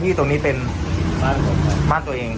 ครับ